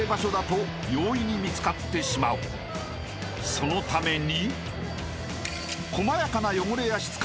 ［そのために］